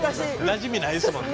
なじみないですもんね。